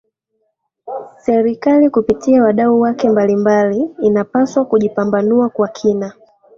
Serikali kupitia wadau wake mbalimbali inapaswa kujipambanua kwa kina